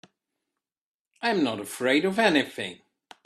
I'm not afraid of anything.